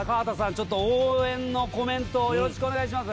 ちょっと応援のコメントをよろしくお願いします